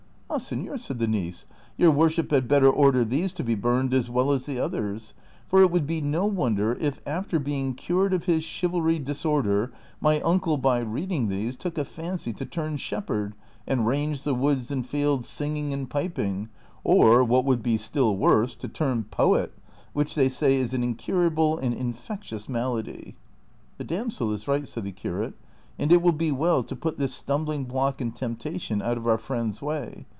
" Ah, senor !" said the niece, " your worship had better order these to be burned as well as the others ; for it would l)e no wonder if, after being cured of his chivalry disorder, my uncle, by reading these, took a fancy to turn shepherd and range the woods and fields singing and piping ; or, what would be still worse, to turn poet, wduch they say is an incurable and infectious malady." " The damsel is right," said the curate, " and it will be well to put this stumbling block and temi)tation out of our friend's Avay.